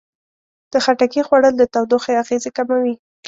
د خټکي خوړل د تودوخې اغېزې کموي.